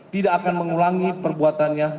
tidak akan mengulangi perbuatannya